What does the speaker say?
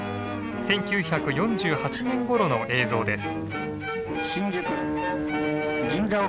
１９４８年ごろの映像です。